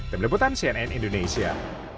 demi leputan cnn indonesia